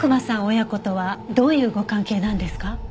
親子とはどういうご関係なんですか？